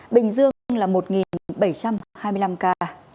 bình dương là một bảy trăm hai mươi năm ca